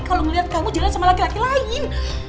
kalau ngeliat kamu jalan sama laki laki lain